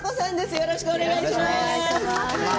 よろしくお願いします。